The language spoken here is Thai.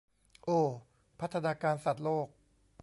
โอ้ พัฒนาการสัตว์โลก